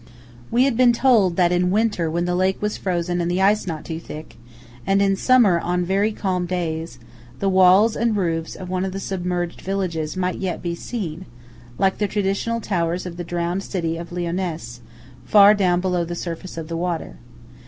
We had been told that in winter when the lake was frozen and the ice not too thick, and in summer on very calm days, the walls and roofs of one of the submerged villages might yet be seen, like the traditional towers of the drowned city of Lyonesse, far down below the surface of the water.